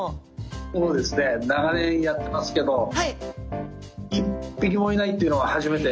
☎そうですね長年やってますけど一匹もいないっていうのは初めて。